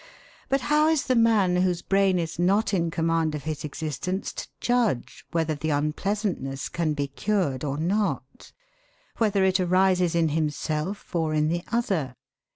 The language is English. But how is the man whose brain is not in command of his existence to judge whether the unpleasantness can be cured or not, whether it arises in himself or in the other?